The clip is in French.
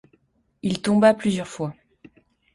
Il tomba plusieurs fois.